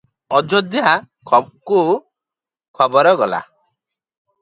ଅଯୋଧ୍ୟାକୁ ଖବର ଗଲା ।